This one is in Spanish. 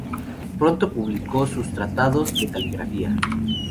Pronto publicó sus tratados de caligrafía.